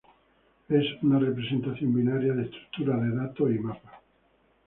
Es una representación binaria de estructuras de datos y mapas.